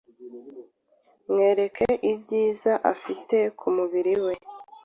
Mwereke ibyiza afite ku mubiri we